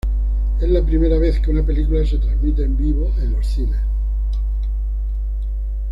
Es la primera vez que una película se transmite en vivo en los cines.